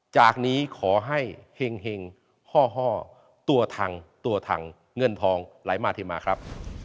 จากนี้ขอให้เห็งห้อตัวถังตัวถังเงินทองไหลมาเทมาครับ